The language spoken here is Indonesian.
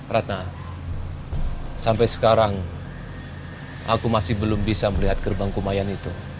ratna sampai sekarang aku masih belum bisa melihat gerbang kumayan itu